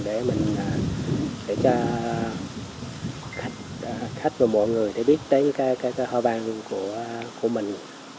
để mình để cho khách và mọi người biết tới cái hoa văn của mình